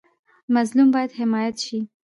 مظلوم باید حمایت شي